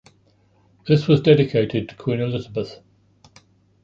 This was dedicated to Queen Elizabeth.